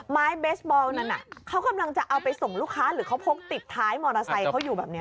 ไม้เบสบอลนั้นเขากำลังจะเอาไปส่งลูกค้าหรือเขาพกติดท้ายมอเตอร์ไซค์เขาอยู่แบบนี้